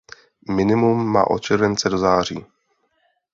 Minimum má od července do září.